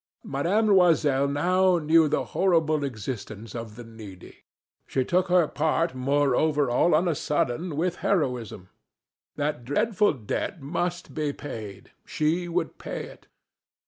Mme. Loisel now knew the horrible existence of the needy. She took her part, moreover, all on a sudden, with heroism. That dreadful debt must be paid. She would pay it.